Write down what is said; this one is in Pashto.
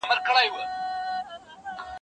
هغه زه یم هغه ښار هغه به دی وي